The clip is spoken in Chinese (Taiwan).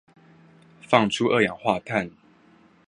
放出二氧化碳